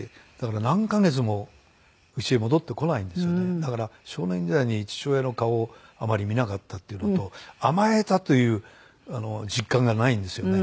だから少年時代に父親の顔をあまり見なかったっていうのと甘えたという実感がないんですよね。